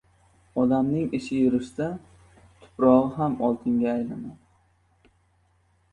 • Odamning ishi yurishsa, tuprog‘i ham oltinga aylanadi.